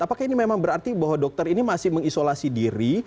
apakah ini memang berarti bahwa dokter ini masih mengisolasi diri